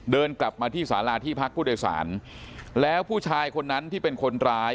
เดินกลับมาที่สาราที่พักผู้โดยสารแล้วผู้ชายคนนั้นที่เป็นคนร้าย